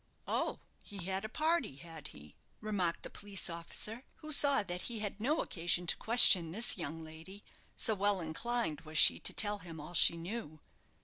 "Oh, he had a party, had he?" remarked the police officer, who saw that he had no occasion to question this young lady, so well inclined was she to tell him all she knew.